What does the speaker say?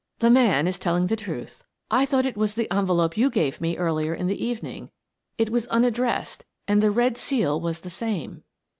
"The man is telling the truth. I thought it was the envelope you gave me earlier in the evening it was unaddressed and the red seal was the same."